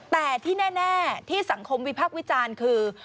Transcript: แต่ที่แน่ที่สังคมวิพักษ์วิจารณ์คือ